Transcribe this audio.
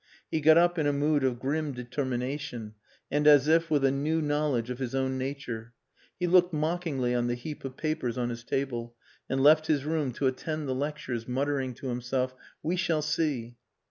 He got up in a mood of grim determination and as if with a new knowledge of his own nature. He looked mockingly on the heap of papers on his table; and left his room to attend the lectures, muttering to himself, "We shall see."